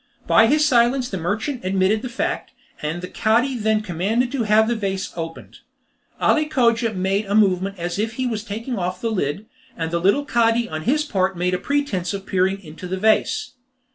By his silence the merchant admitted the fact, and the Cadi then commanded to have the vase opened. Ali Cogia made a movement as if he was taking off the lid, and the little Cadi on his part made a pretence of peering into a vase.